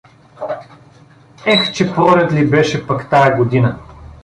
Ех че пролет ли беше пък тая година!